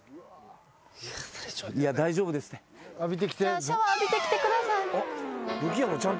じゃあシャワー浴びてきてください。